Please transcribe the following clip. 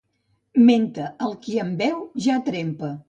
Menta, que el qui en beu ja trempa.